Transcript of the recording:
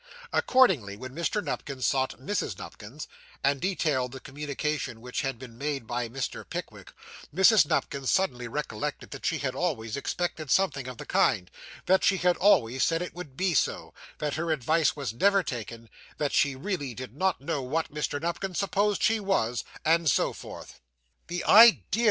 Accordingly, when Mr. Nupkins sought Mrs. Nupkins, and detailed the communication which had been made by Mr. Pickwick, Mrs. Nupkins suddenly recollected that she had always expected something of the kind; that she had always said it would be so; that her advice was never taken; that she really did not know what Mr. Nupkins supposed she was; and so forth. 'The idea!